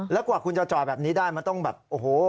แล้วกว่าคุณจะจอดแบบนี้ได้มันต้องแบบโอ้โห